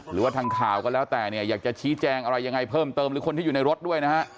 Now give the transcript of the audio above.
หรือว่าทางข่าวก็แล้วแต่เนี่ยอยากจะชี้แจงอะไรยังไงเพิ่มเติมหรือคนที่อยู่ในรถด้วยนะฮะ